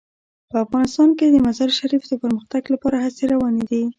په افغانستان کې د مزارشریف د پرمختګ لپاره هڅې روانې دي.